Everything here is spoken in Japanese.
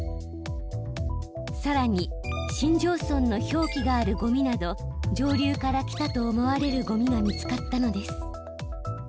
さらに新庄村の表記があるゴミなど上流から来たと思われるゴミが見つかったのです。